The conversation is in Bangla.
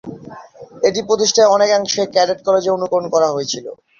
এটি প্রতিষ্ঠায় অনেকাংশে ক্যাডেট কলেজের অনুকরণ করা হয়েছিল।